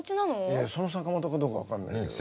いやいやその坂本かどうか分かんないけど。